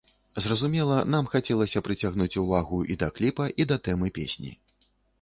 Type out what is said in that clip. Зразумела, нам хацелася прыцягнуць увагу і да кліпа, і да тэмы песні.